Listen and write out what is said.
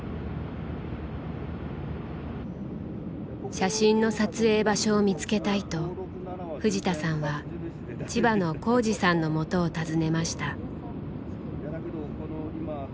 写真の撮影場所を見つけたいと藤田さんは千葉の幸治さんのもとを訪ねました。